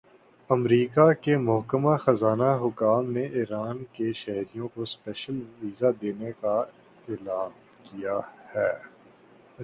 امریکا کے محکمہ خزانہ حکام نے ایران کے شہریوں کو سپیشل ویزا دینے کا اعلان کیا ہے